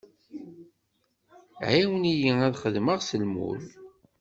Ɛiwen-iyi ad t-xedmeɣ s lmul.